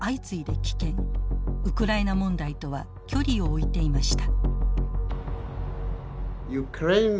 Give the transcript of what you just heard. ウクライナ問題とは距離を置いていました。